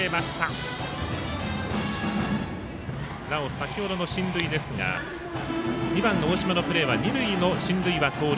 先ほどの進塁ですが２番の大島のプレーは二塁の進塁は盗塁。